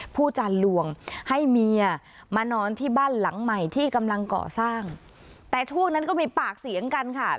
ผู้จานลวงให้เมียมานอนที่บ้านหลังใหม่ที่กำลังก่อสร้างแต่ช่วงนั้นก็มีปากเสียงกันค่ะ